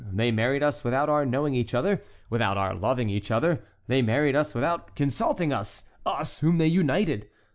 They married us without our knowing each other—without our loving each other; they married us without consulting us—us whom they united.